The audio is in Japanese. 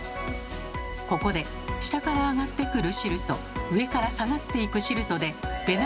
ここで下から上がってくる汁と上から下がっていく汁とでべ